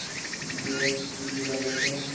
Lucía escribió la letra.